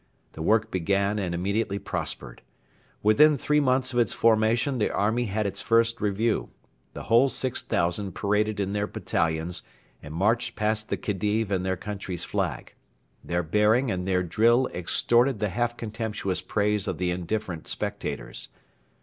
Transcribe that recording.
The work began and immediately prospered. Within three months of its formation the army had its first review. The whole 6,000 paraded in their battalions and marched past the Khedive and their country's flag. Their bearing and their drill extorted the half contemptuous praise of the indifferent spectators.